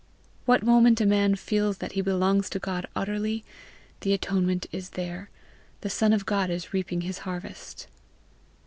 What moment a man feels that he belongs to God utterly, the atonement is there, the son of God is reaping his harvest.